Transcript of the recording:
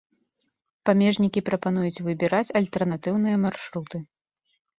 Памежнікі прапануюць выбіраць альтэрнатыўныя маршруты.